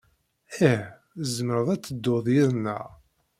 Ih, tzemred ad teddud yid-neɣ.